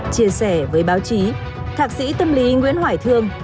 chia sẻ với báo chí thạc sĩ tâm lý nguyễn hoài thương